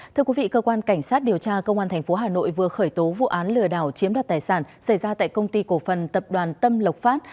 thưa quý vị cơ quan cảnh sát điều tra công an tp hà nội vừa khởi tố vụ án lừa đảo chiếm đoạt tài sản xảy ra tại công ty cổ phần tập đoàn tâm lộc phát